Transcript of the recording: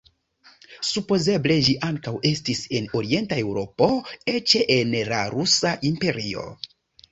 Supozeble ĝi ankaŭ estis en orienta Eŭropo, eĉ en la Rusa Imperio.